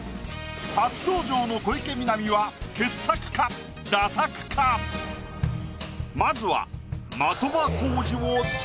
初登場の小池美波はまずは。